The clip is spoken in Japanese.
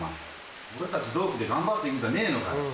俺たち同期で頑張っていくんじゃねえのかよ？